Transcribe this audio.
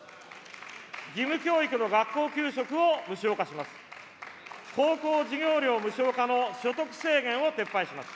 義務教育の学校給食を無償化します。